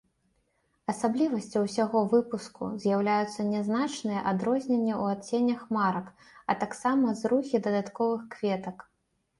Асаблівасцю ўсяго выпуску з'яўляюцца нязначныя адрозненні ў адценнях марак, а таксама зрухі дадатковых кветак.